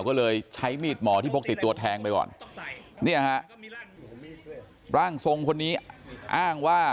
ก็เลยใช้มีดหมอที่พกติดตัวแทงไปก่อนเนี่ยฮะร่างทรงคนนี้อ้างว่า